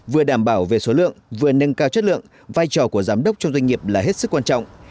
vừa đảm bảo về số lượng vừa nâng cao chất lượng vai trò của giám đốc trong doanh nghiệp là hết sức quan trọng